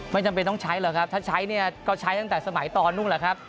จำเป็นต้องใช้หรอกครับถ้าใช้เนี่ยก็ใช้ตั้งแต่สมัยตอนนู้นแหละครับ